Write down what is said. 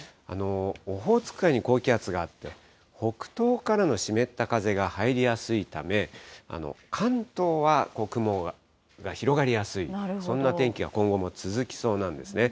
オホーツク海に高気圧があって、北東からの湿った風が入りやすいため、関東は雲が広がりやすい、そんな天気が今後も続きそうなんですね。